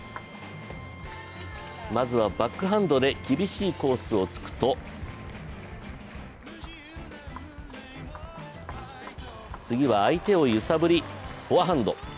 まずはバックハンドで厳しいコースを突くと、次は相手を揺さぶり、フォアハンド。